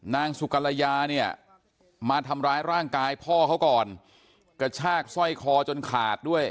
นางสุกรยาเนี่ยมาทำร้ายร่างกายพ่อเขาก่อนกระชากสร้อยคอจนขาดด้วย